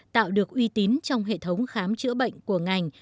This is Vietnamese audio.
tạo được uy tín trong hệ thống khám chữa bệnh của ngành